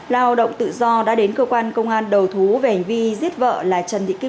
lao động tự do đã đến cơ quan công an đầu thú về hành vi giết vợ là trần thị kim